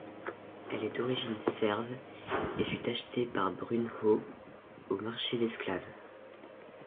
Elle est d'origine serve et fut achetée par Brunehaut au marché d'esclave.